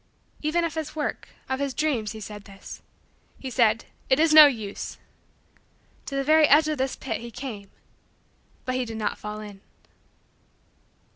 Even of his work of his dreams he said this. He said: "It is no use." To the very edge of this pit he came but he did not fall in.